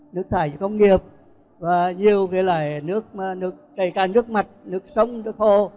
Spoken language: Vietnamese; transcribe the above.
nước thải công nghiệp và nhiều cái lại nước mặt nước sông nước hồ